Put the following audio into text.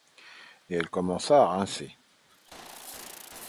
Et elle commença à rincer.